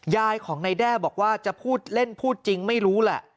ยายของนายแด้บอกว่าจะพูดเล่นพูดจริงไม่รู้แหละ